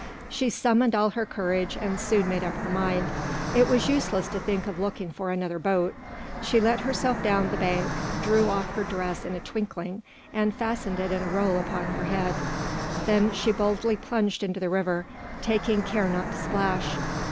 She summoned all her courage and soon made up her mind. It was useless to think of looking for another boat. She let herself down the bank, drew off her dress in a twinkling, and fastened it in a roll upon her head; then she boldly plunged into the river, taking care not to splash.